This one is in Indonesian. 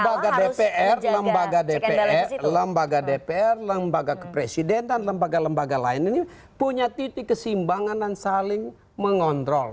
lembaga dpr lembaga dpr lembaga dpr lembaga kepresidenan lembaga lembaga lain ini punya titik kesimbangan dan saling mengontrol